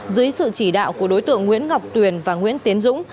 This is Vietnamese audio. dưới sự chỉ đạo của đối tượng nguyễn ngọc tuyền và nguyễn tiến dũng